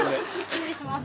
失礼します。